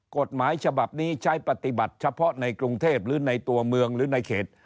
กฎหมายฉบับนี้ใช้ปฏิบัติเฉพาะในกรุงเทพหรือในตัวเมืองหรือในเขต